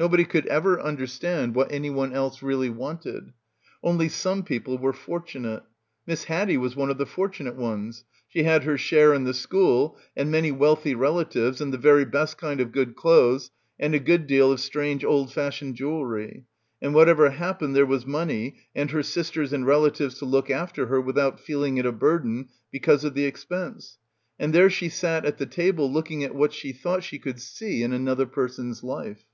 Nobody could ever understand what — 164 — BACKWATER anyone else really wanted. Only some people were fortunate. Miss Haddie was one of the fortunate ones. She had her share in the school and many wealthy relatives and the very best kind of good clothes and a good deal of strange old fashioned jewelry. And whatever happened there was money and her sisters and relatives to look after her without feeling it a burden because of the expense. And there she sat at the table looking at what she thought she could see in an other person's life.